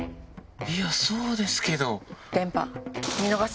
いやそうですけど。